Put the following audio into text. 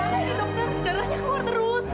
gimana dokter darahnya keluar terus